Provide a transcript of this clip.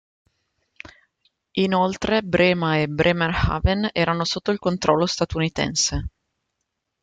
Inoltre, Brema e Bremerhaven erano sotto il controllo statunitense.